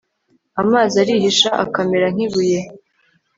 amazi arihisha akamera nk'ibuye